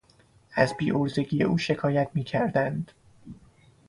از بیعرضگی او شکایت میکردند.